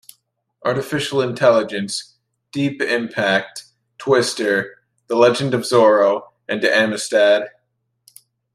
Artificial Intelligence", "Deep Impact", "Twister", "The Legend of Zorro" and "Amistad".